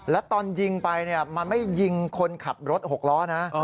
แล้วตอนยิงไปมันไม่ยิงคนขับรถ๖ล้อนะ